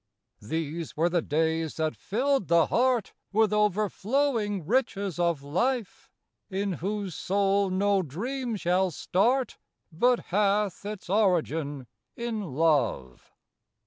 These were the days that filled the heart With overflowing riches of Life; in whose soul no dream shall start But hath its origin in love.